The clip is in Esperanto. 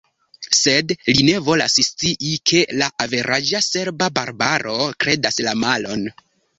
Sed li ne volas scii, ke la averaĝa serba barbaro kredas la malon.